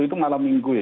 itu malam minggu ya